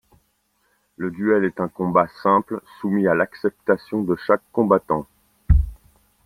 Le duel est un combat simple soumis à l'acceptation de chaque combattant.